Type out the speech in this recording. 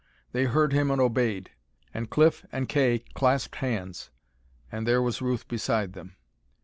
They heard him and obeyed. And Cliff and Kay clasped hands, and there was Ruth beside them.